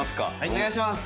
お願いします！